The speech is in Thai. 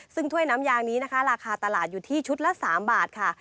ซึ่งถ้วยน้ำยางนี้นะคะราคาตลาดอยู่ที่ชุดละ๓บาทค่ะ